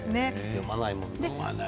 読まないもんな。